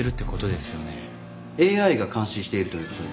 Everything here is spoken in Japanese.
ＡＩが監視しているということです。